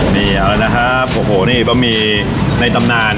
นี่เอาละครับโอ้โหนี่บะหมี่ในตำนาน